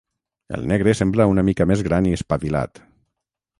El negre sembla una mica més gran i espavilat.